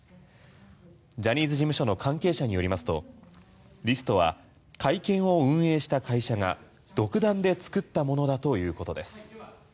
ジャニーズ事務所の関係者によりますとリストは会見を運営した会社が独断で作ったものだということです。